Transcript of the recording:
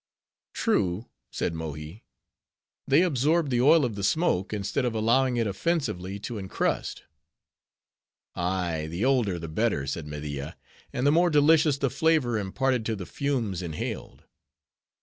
"True," said Mohi, "they absorb the oil of the smoke, instead of allowing it offensively to incrust." "Ay, the older the better," said Media, "and the more delicious the flavor imparted to the fumes inhaled."